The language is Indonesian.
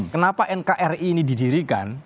kenapa nkri ini didirikan